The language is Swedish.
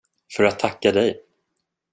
För att tacka dig.